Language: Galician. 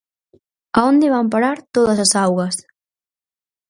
¿A onde van parar todas as augas?